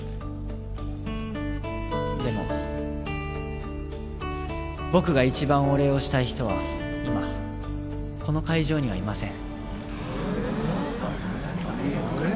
でも僕がいちばんお礼をしたい人は今この会場にはいません。